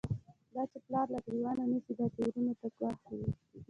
دا چی پلار له گریوان نیسی، دا چی وروڼو ته گوا ښیږی